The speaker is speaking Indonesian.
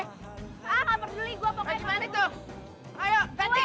ah nggak peduli gue pokoknya sama lo